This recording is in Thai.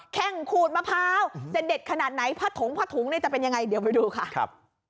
แข่งขูดมะพร้าวสเน็ดคณะไหนผัสถงจะเป็นยังไงเดี๋ยวไปดูค่ะ